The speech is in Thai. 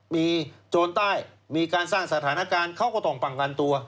มีโจรใต้มีการสร้างสถานการณ์เขาก็ต้องป้องกันตัว